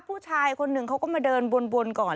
ผู้ชายคนหนึ่งเขาก็มาเดินวนก่อน